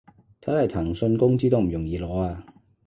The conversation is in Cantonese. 睇來騰訊工資都唔容易攞啊